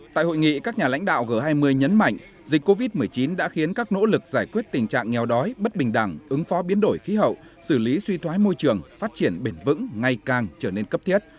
tại hội nghị các nhà lãnh đạo g hai mươi nhấn mạnh dịch covid một mươi chín đã khiến các nỗ lực giải quyết tình trạng nghèo đói bất bình đẳng ứng phó biến đổi khí hậu xử lý suy thoái môi trường phát triển bền vững ngay càng trở nên cấp thiết